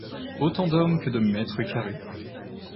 Autant d’hommes que de mètres carrés.